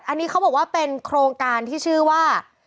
อันนี้เขาบอกว่าเป็นโครงการที่ชื่อว่า